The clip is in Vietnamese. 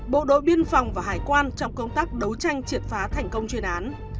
bộ đội biên phòng và hải quan trong công tác đấu tranh triệt phá thành công chuyên án